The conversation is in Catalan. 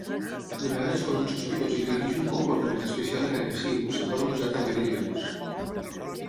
De vegades quan un sospitós exhibeix un comportament especialment agressiu, es poden usar també grillons.